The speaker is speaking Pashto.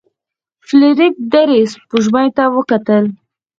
فلیریک درې سپوږمیو ته وکتل.